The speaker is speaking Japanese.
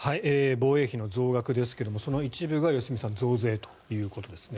防衛費の増額ですがその一部が、良純さん増税ということですね。